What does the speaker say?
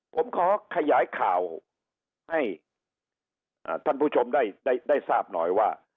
ผมขอขยายข่าวให้ท่านผู้ชมได้ทราบหน่อยว่า